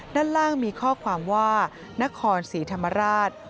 ด้านล่างมีข้อความว่านครศรีธรรมราช